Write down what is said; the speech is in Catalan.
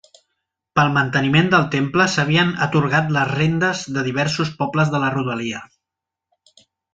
Pel manteniment del temple s'havien atorgat les rendes de diversos pobles de la rodalia.